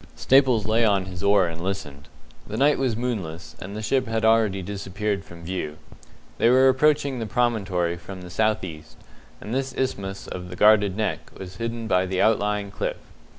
Staples lay on his oar and listened. The night was moonless, and the ship had already disappeared from view. They were approaching the promontory from the south east, and this isthmus of the guarded Neck was hidden by the outlying cliff.